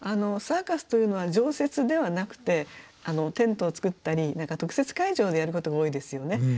サーカスというのは常設ではなくてテントを作ったり何か特設会場でやることが多いですよね。